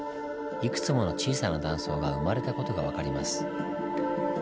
いくつもの小さな断層が生まれた事が分かります。